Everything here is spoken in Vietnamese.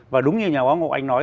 và đúng như nhà báo ngọc anh nói